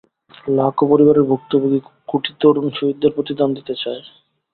লাখো পরিবার ভুক্তভোগী, কোটি তরুণ শহীদদের প্রতিদান দিতে চায়।